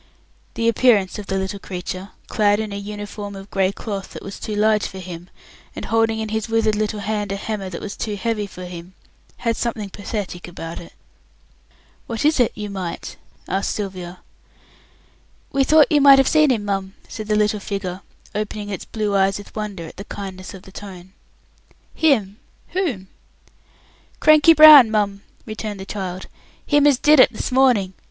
The appearance of the little creature, clad in a uniform of grey cloth that was too large for him, and holding in his withered little hand a hammer that was too heavy for him, had something pathetic about it. "What is it, you mite?" asked Sylvia. "We thought you might have seen him, mum," said the little figure, opening its blue eyes with wonder at the kindness of the tone. "Him! Whom?" "Cranky Brown, mum," returned the child; "him as did it this morning.